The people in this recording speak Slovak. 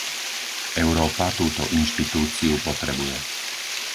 Európa túto inštitúciu potrebuje.